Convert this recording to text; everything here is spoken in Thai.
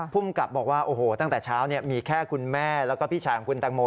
ภูมิกับบอกว่าโอ้โหตั้งแต่เช้ามีแค่คุณแม่แล้วก็พี่ชายของคุณตังโม